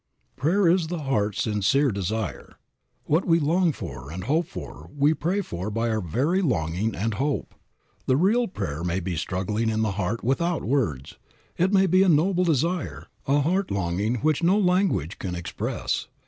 "Prayer is the heart's sincere desire." What we long for and hope for we pray for by our very longing and hope. The real prayer may be struggling in the heart without words, it may be a noble desire, a heart longing which no language can express.